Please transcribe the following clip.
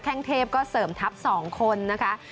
แข้งเทพก็เสริมทัพ๒คนนะครับ